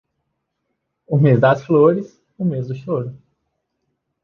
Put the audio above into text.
O mês das flores, o mês do choro.